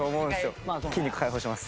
筋肉解放します。